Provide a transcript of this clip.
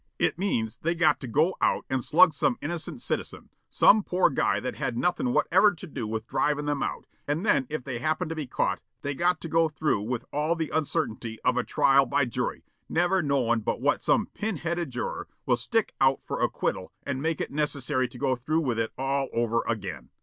"It means they got to go out and slug some innocent citizen, some poor guy that had nothing whatever to do with drivin' them out, and then if they happen to be caught they got to go through with all the uncertainty of a trial by jury, never knowin' but what some pin headed juror will stick out for acquittal and make it necessary to go through with it all over again.